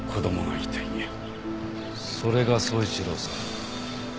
それが宗一郎さん。